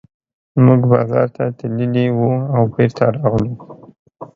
موږ بازار ته تللي وو او بېرته راغلو.